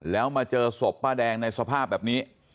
แล้วมาเจอศพป้าแดงในสภาพแบบนี้